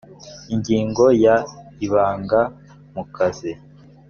ingingo ya ibanga mu kazi